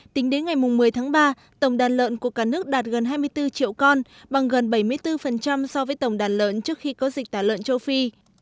tính đến ngày một mươi tháng ba tổng đàn lợn của cả nước đạt gần hai mươi bốn triệu con bằng gần bảy mươi bốn so với tổng đàn lợn trước khi có dịch tả lợn châu phi